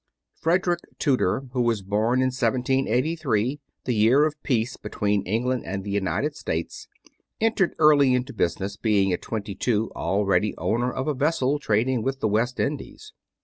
Frederick Tudor, who was born in 1783, the year of the peace between England and the United States, entered early into business, being at twenty two already owner of a vessel trading with the West Indies.